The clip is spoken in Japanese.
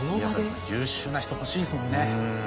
優秀な人欲しいですもんね。